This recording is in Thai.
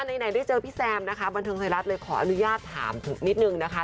ไหนได้เจอพี่แซมนะคะบันเทิงไทยรัฐเลยขออนุญาตถามนิดนึงนะคะ